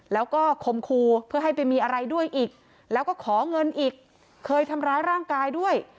แล้วก็คมครูเพื่อให้ไปมีอะไรด้วยอีกแล้วก็ขอเงินอีกเคยทำร้ายร่างกายด้วย